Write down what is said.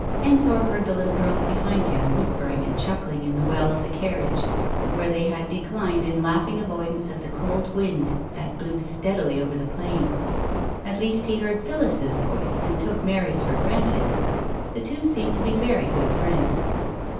Ensor heard the little girls behind him whispering and chuckling in the well of the carriage where they had declined in laughing avoidance of the cold wind that blew steadily over the plain. At least he heard Phillis's voice and took Mary's for granted. The two seemed to be very good friends.